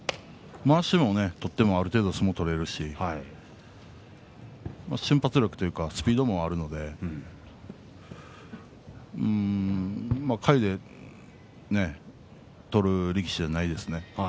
まわしを取ってもある程度、相撲が取れるし瞬発力というかスピードもあるので下位で取る力士じゃないですね。